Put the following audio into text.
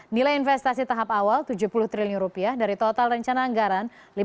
nilai investasi tahap awal rp tujuh puluh triliun dari total rencana anggaran rp lima ratus tujuh puluh triliun